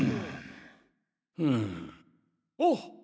うんあっ！